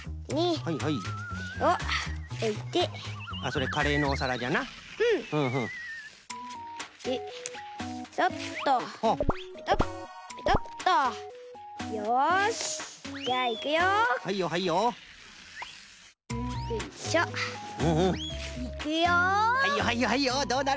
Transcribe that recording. はいよはいよはいよどうなる！？